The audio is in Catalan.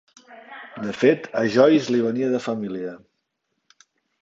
De fet, a Joyce li venia de família.